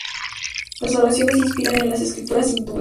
Las oraciones se inspiran en las escrituras hindúes.